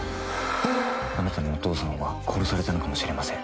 「あなたのお父さんは殺されたのかもしれません」